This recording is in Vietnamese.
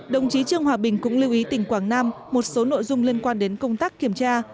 đồng chí trương hòa bình cũng lưu ý tỉnh quảng nam một số nội dung liên quan đến công tác kiểm tra